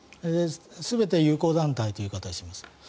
全て友好団体という形にします。